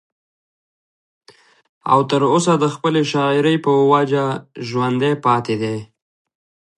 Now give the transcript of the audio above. او تر اوسه د خپلې شاعرۍ پۀ وجه ژوندی پاتې دی